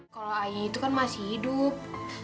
kalo ayu itu kan masih hidup